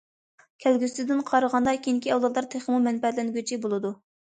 كەلگۈسىدىن قارىغاندا، كېيىنكى ئەۋلادلار تېخىمۇ مەنپەئەتلەنگۈچى بولىدۇ.